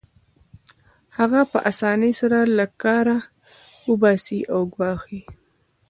هغه په اسانۍ سره له کاره وباسي او ګواښي